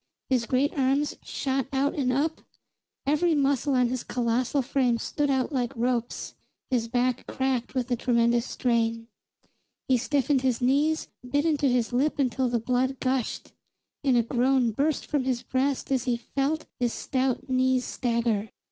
His great arms shot out and up, every muscle on his colossal frame stood out like ropes, his back cracked with the tremendous strain. He stiffened his knees, bit into his lip until the blood gushed; and a groan burst from his breast as he felt his stout knees stagger.